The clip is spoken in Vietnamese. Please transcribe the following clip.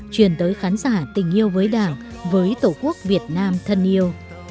truyền tới khán giả tình yêu với đảng với tổ quốc việt nam thân yêu